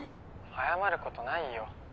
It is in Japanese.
謝ることないよ。